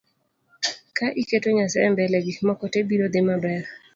Ka iketo nyasae mbele , gik moko tee biro dhii maber